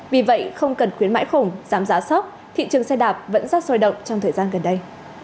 vì vậy không cần khuyến mãi khổng giám giá sóc thị trường xe đạp vẫn rác rôi động trong thời gian gần đây